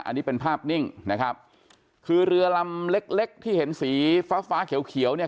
อันนี้เป็นภาพนิ่งนะครับคือเรือลำเล็กเล็กที่เห็นสีฟ้าฟ้าเขียวเขียวเนี่ย